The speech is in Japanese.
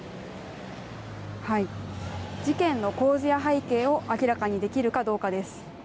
事件の構図や背景を明らかにできるかどうかです。